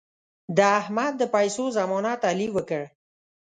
د احمد د پیسو ضمانت علي وکړ.